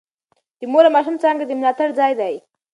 د مور او ماشوم څانګه د ملاتړ ځای دی.